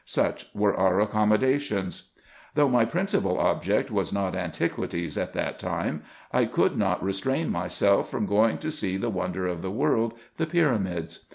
Such were our accommodations. Though my principal object was not antiquities at that time, I could not restrain myself from going to see the wonder of the world, the pyramids.